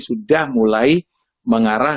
sudah mulai mengarah